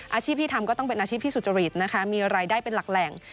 อาชีพที่ทำก็ต้องเป็นอาชีพที่สุจริตนะคะมีรายได้เป็นหลักแหล่ง